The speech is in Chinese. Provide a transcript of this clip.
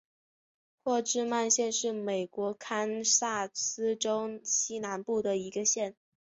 霍治曼县是美国堪萨斯州西南部的一个县。